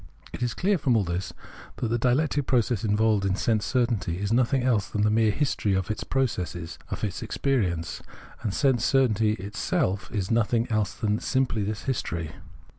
It is clear from all this that the dialectic process involved in sense certainty is nothing else than the mere history of its process — of its experience ; and sense certainty itself is nothing else than simply this history.